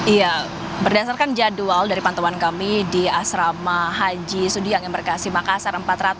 iya berdasarkan jadwal dari pantauan kami di asrama haji sudiang embarkasi makassar